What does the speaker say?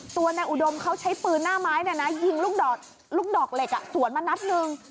ตัวนายอุดมเขาใช้ปืนหน้าไม้ยิงลูกดอกเหล็กสวนมานัดหนึ่ง